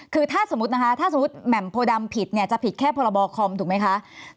คือถ้าสมมุติแหม่มโพรดำผิดจะผิดแค่พคถูกไหมคะ